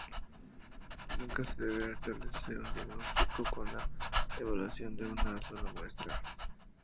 Nunca se deberá establecer un diagnóstico con la evaluación de una sola muestra.